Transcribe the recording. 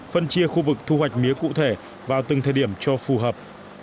phân chia khu vực thu hoạch mía cụ thể vào từng thời điểm cho phù hợp